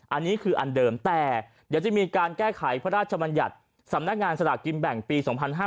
อันนี้คืออันเดิมแต่เดี๋ยวจะมีการแก้ไขพระราชบัญญัติสำนักงานสลากกินแบ่งปี๒๕๕๙